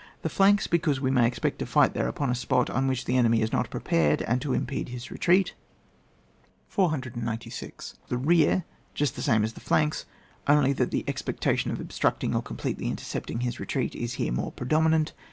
The flanks, because we may ex pect io fight there upon a spot on which thesfnemy is not prepared, and to impede his retreat. 496. The rear, just the same as the flanks, only that the expectation of ob structing or completely intercepting his retreat is here more predominant.